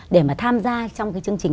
để mà tham gia trong cái chương trình